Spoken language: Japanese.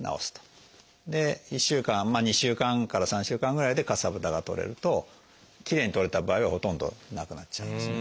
で１週間２週間から３週間ぐらいでかさぶたが取れるときれいに取れた場合はほとんどなくなっちゃうんですね。